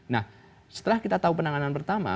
nah setelah kita tahu penanganan pertama